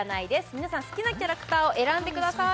皆さん好きなキャラクターを選んでください